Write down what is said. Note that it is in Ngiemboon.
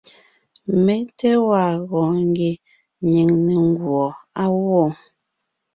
Mé té gwaa gɔɔn ngie nyìŋ ne nguɔ á gwɔ.